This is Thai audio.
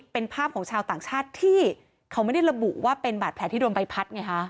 เป็นภาพของชาวต่างชาติที่เขาไม่ได้ระบุว่าเป็นบาดแผลที่โดนใบพัดไงฮะ